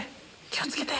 気を付けて！